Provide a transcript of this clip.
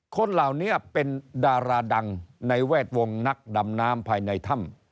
คนเหล่านี้เป็นดาราดังในแวดวงนักดำน้ำภายในถ้ำ